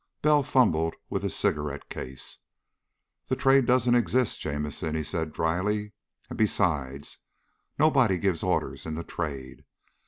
Bell fumbled with his cigarette case. "The Trade doesn't exist, Jamison," he said dryly. "And besides, nobody gives orders in The Trade.